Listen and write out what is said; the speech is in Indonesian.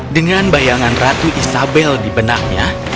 dengan bayangan ratu isabel di benaknya